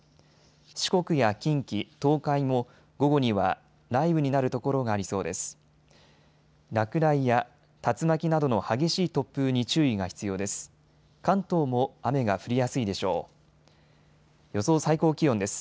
四国や近畿、東海も午後には雷雨になるところがありそうです。